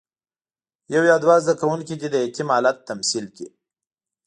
یو یا دوه زده کوونکي دې د یتیم حالت تمثیل کړي.